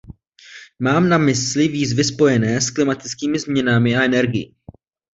Mám na mysli výzvy spojené s klimatickými změnami a energií.